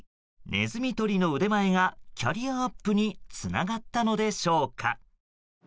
ネズミ捕りの腕前がキャリアアップにつながったのでしょうか。